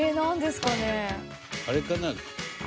あれかな？